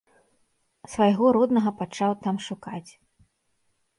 Свайго роднага пачаў там шукаць.